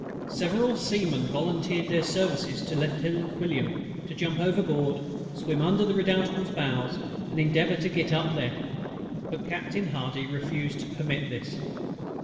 Several Seamen volunteered their services to Lieutenant QUILLIAM, to jump overboard, swim under the Redoutable's bows, and endeavour to get up there; but Captain HARDY refused to permit this.